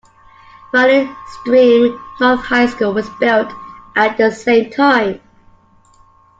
Valley Stream North High School was built at the same time.